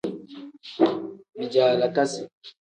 Bijaalakasi.